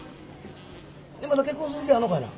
まだ結婚する気あんのかいな？